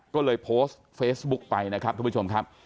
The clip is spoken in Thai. ก็เลยโพสต์เฟซบุ๊กไปนะครับทุกผู้ชมครับ